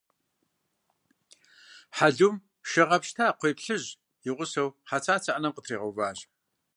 Хьэлум шэ гъэпщта къхуей плъыжь и гъусэу Хьэцацэ ӏэнэм къытригъэуващ.